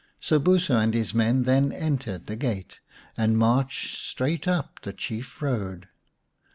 Sobuso and 'his men then entered the gate and marched straight up the chief road.